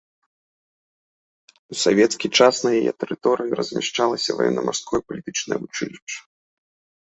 У савецкі час на яе тэрыторыі размяшчалася ваенна-марское палітычнае вучылішча.